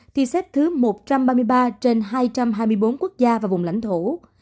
thì xếp thứ một trăm ba mươi ba trên hai trăm hai mươi bốn quốc gia và vùng lãnh thổ